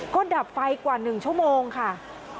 ก็ดับไฟกว่า๑ชั่วโมงค่ะ